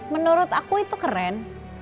menurut aku itu keren